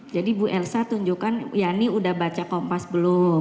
jadi bu elsa tunjukkan ya ini udah baca kompas belum